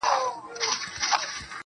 هر څوک اوتې بوتې وايي